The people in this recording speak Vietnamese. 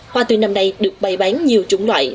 hoa tươi năm nay được bày bán nhiều chủng loại